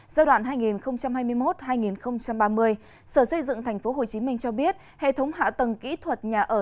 giai đoạn hai nghìn hai mươi một hai nghìn ba mươi sở xây dựng tp hcm cho biết hệ thống hạ tầng kỹ thuật nhà ở